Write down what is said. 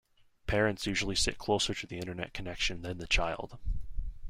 Parents usually sit closer to the internet connection than the child.